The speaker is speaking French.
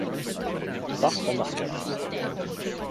Parc remarquable.